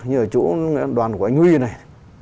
như ở chỗ đoàn của anh huy này